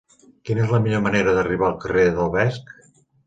Quina és la millor manera d'arribar al carrer del Vesc?